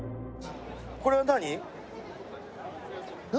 これは何？